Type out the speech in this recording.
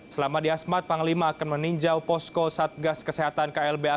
selama di asmat panglima akan meninjau posko satgas kesehatan klb